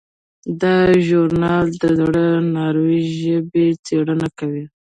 دا ژورنال د زړې ناروېي ژبې څیړنه کوي.